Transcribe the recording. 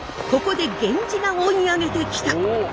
ここで源氏が追い上げてきた！